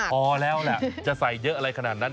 พอแล้วแหละจะใส่เยอะอะไรขนาดนั้น